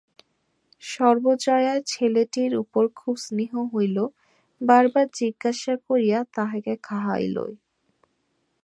সর্বজয়ার ছেলেটির উপর খুব স্নেহ হইল-বার বার জিজ্ঞাসা করিয়া তাহাকে খাওয়াইল।